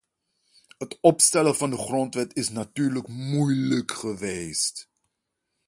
Het opstellen van de grondwet is natuurlijk moeilijk geweest.